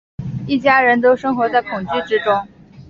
一家人都生活在恐惧之中